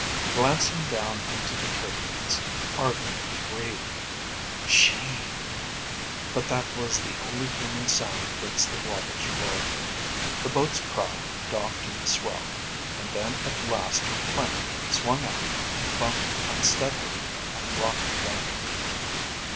Glancing down into the turbulence, Argo breathed, "Gee." But that was the only human sound against the water's roaring. The boat's prow doffed in the swell, and then at last her plank swung out and bumped unsteadily on the rocky bank.